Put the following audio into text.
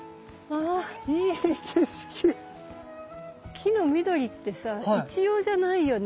木の緑ってさ一様じゃないよね。